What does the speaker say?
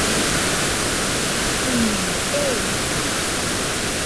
Ikɨñeno, eite